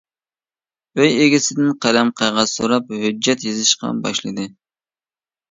ئۆي ئىگىسىدىن قەلەم قەغەز سوراپ ھۆججەت يېزىشقا باشلىدى!